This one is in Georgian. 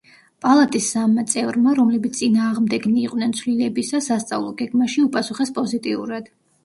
პალატის სამმა წევრმა, რომლებიც წინააღმდეგნი იყვნენ ცვლილებებისა სასწავლო გეგმაში, უპასუხეს პოზიტიურად.